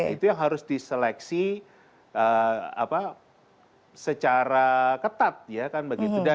itu yang harus diseleksi secara ketat ya kan begitu